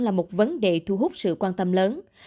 là một vấn đề thu hút sự quan tâm lớn